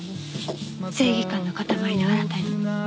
正義感の塊のあなたに。